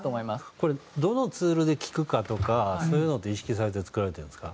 これどのツールで聴くかとかそういうのって意識されて作られてるんですか？